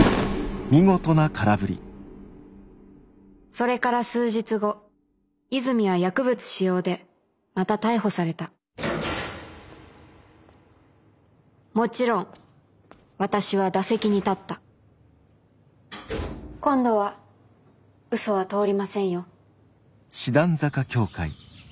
それから数日後泉は薬物使用でまた逮捕されたもちろん私は打席に立った今度はうそは通りませんよ。